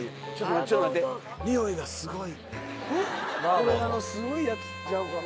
これすごいやつちゃうかな？